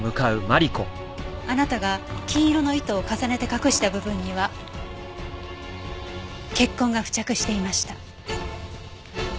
あなたが金色の糸を重ねて隠した部分には血痕が付着していました。